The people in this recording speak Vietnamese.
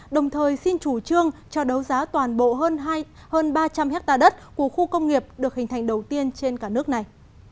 đồng thời xin chủ trương cho đấu giá toàn bộ hơn ba trăm linh hectare đất của khu công nghiệp được hình thành đầu tiên trên cả nước này